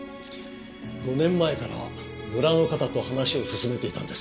５年前から村の方と話を進めていたんです。